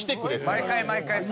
毎回毎回。